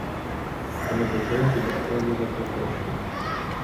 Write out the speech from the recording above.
Вони почали підраховувати гроші.